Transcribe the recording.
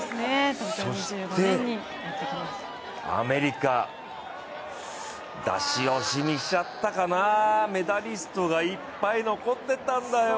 そしてアメリカ、出し惜しみしちゃったかな、メダリストがいっぱい残ってたんだよ。